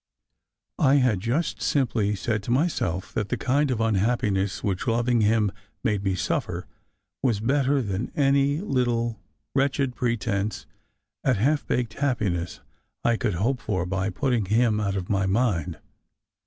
I had just simply said to myself that the kind of unhappiness which loving him made me suffer was better than any little wretched pretence at half baked happiness I could hope for by putting him out of my mind.